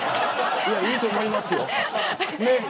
いいと思いますよ。